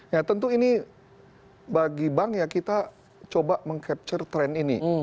ya tentu ini bagi bank ya kita coba meng capture tren ini